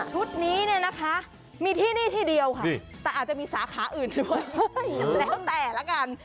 ชุดนี้เนี่ยนะคะมีที่นี่ที่เดียวค่ะแต่อาจจะมีสาขาอื่นด้วยแล้วแต่ละกัน